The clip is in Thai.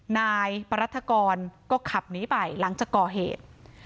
นายปรัฐกรก็ขับหนีไปหลังจากก่อเหตุ